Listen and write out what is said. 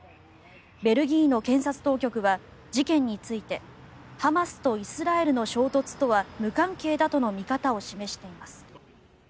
ベルギーの検察当局は事件についてハマスとイスラエルの衝突とは無関係だとの見方を示しています。